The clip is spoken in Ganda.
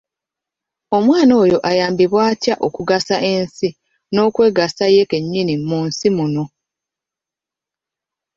Omwana oyo ayambibwe atya okugasa ensi n’okwegasa ye kennyini mu nsi muno?